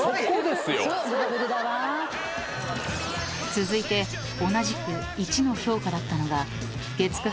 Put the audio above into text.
［続いて同じく１の評価だったのが月９